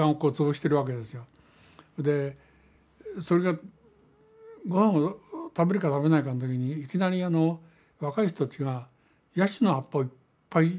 それでそれがご飯を食べるか食べないかの時にいきなり若い人たちがヤシの葉っぱをいっぱいとってきたわけですよ。